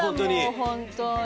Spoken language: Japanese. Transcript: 本当に。